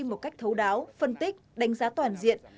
một cách thấu đáo phân tích đánh giá toàn diện